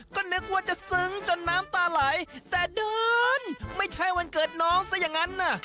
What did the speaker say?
ก็นึกว่าจะซึ้งจนน้ำตาไหลแต่เดินไม่ใช่วันเกิดน้องซะอย่างนั้นน่ะ